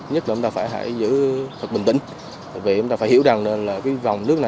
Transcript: nhất là chúng ta phải giữ thật bình tĩnh vì chúng ta phải hiểu rằng là cái vòng nước này